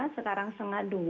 sekarang setengah dua